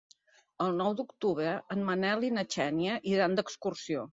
El nou d'octubre en Manel i na Xènia iran d'excursió.